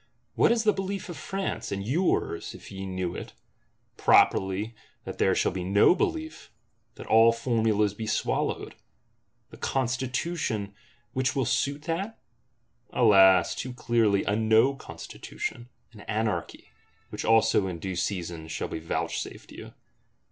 What is the Belief of France, and yours, if ye knew it? Properly that there shall be no Belief; that all formulas be swallowed. The Constitution which will suit that? Alas, too clearly, a No Constitution, an Anarchy;—which also, in due season, shall be vouchsafed you.